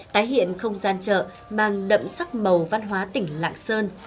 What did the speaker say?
tái hiện không gian chợ mang đậm sắc màu văn hóa tỉnh lạng sơn